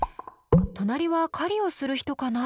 隣は狩りをする人かな？